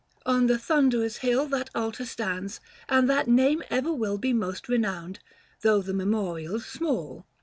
On the thunderer's hill That altar stands, and that name ever will Be most renowned, though the memorial's small.